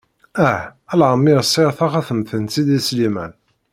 Ah...! A lammer sɛiɣ taxatemt n sidi Sliman!